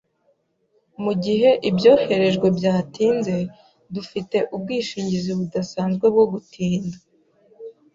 Mugihe ibyoherejwe byatinze, dufite ubwishingizi budasanzwe bwo gutinda.